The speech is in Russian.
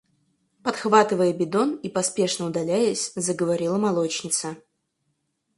– подхватывая бидон и поспешно удаляясь, заговорила молочница.